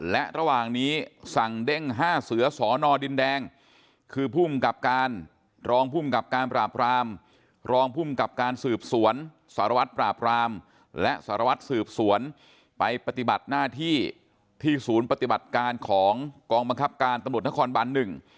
และระหว่างนี้สั่งเด้งห้าเสือสอนอดินแดงคือภูมิกับการรองภูมิกับการปราบรามรองภูมิกับการสืบสวนสารวัตรปราบรามและสารวัตรสืบสวนไปปฏิบัติหน้าที่ที่ศูนย์ปฏิบัติการของกองบังคับการตำรวจนครบันหนึ่ง